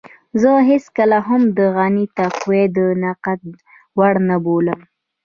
زه هېڅکله هم د غني تقوی د نقد وړ نه بولم.